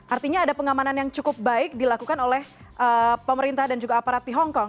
artinya ada pengamanan yang cukup baik dilakukan oleh pemerintah dan juga aparat di hongkong